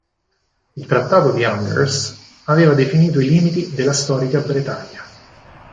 Il trattato di Angers aveva definito i limiti della storica Bretagna.